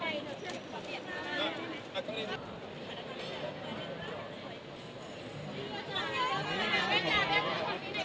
ให้ช่วงชีวิตของฉันหนาจบทัน